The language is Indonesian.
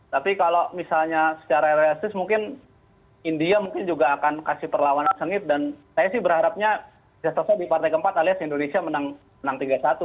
tapi kalau misalnya secara realistis mungkin india mungkin juga akan kasih perlawanan sengit dan saya sih berharapnya bisa selesai di partai keempat alias indonesia menang tiga satu